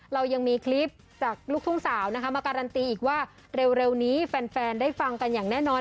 เรายังมีคลิปจากลูกทุ่งสาวนะคะมาการันตีอีกว่าเร็วนี้แฟนได้ฟังกันอย่างแน่นอน